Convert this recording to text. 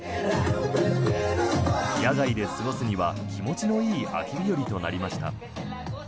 野外で過ごすには気持ちのいい秋日和となりました。